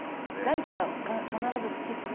来季は必ず復帰する？